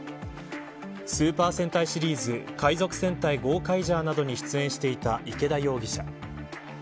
スーパー戦隊シリーズ海賊戦隊ゴーカイジャーなどに出演していた池田容疑者。